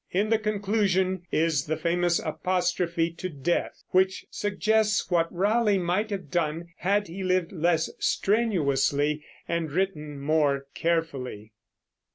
In the conclusion is the famous apostrophe to Death, which suggests what Raleigh might have done had he lived less strenuously and written more carefully.